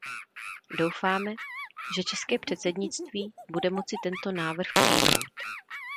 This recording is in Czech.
Doufáme, že české předsednictví bude moci tento návrh přijmout.